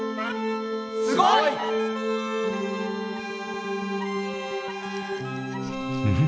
すごい！ん？